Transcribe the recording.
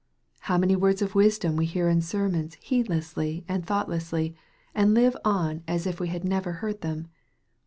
How many words of wisdom we hear in sermons heed lessly and thoughtlessly, and live on as if we had never heard them